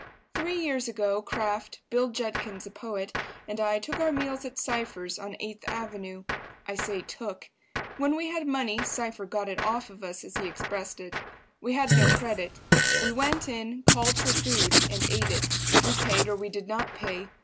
Three years ago Kraft, Bill Judkins (a poet), and I took our meals at Cypher's, on Eighth Avenue. I say "took." When we had money, Cypher got it "off of" us, as he expressed it. We had no credit; we went in, called for food and ate it. We paid or we did not pay.